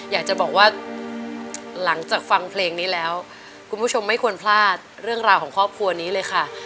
อยากจะบอกว่าหลังจากฟังเพลงนี้แล้วคุณผู้ชมไม่ควรพลาดเรื่องราวของครอบครัวนี้เลยค่ะ